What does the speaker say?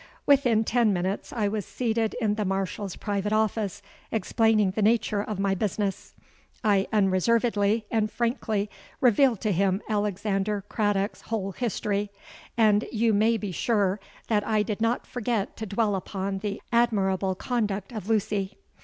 "Within ten minutes I was seated in the Marshal's private office, explaining the nature of my business. I unreservedly and frankly revealed to him Alexander Craddock's whole history; and you may be sure that I did not forget to dwell upon the admirable conduct of Lucy.